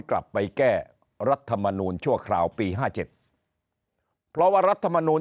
กลับไปแก้รัฐธมนุนชั่วคราวปี๕๗เพราะว่ารัฐธมนุน